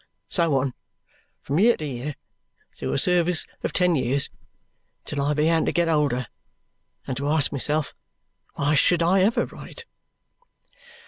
So on, from year to year, through a service of ten years, till I began to get older, and to ask myself why should I ever write."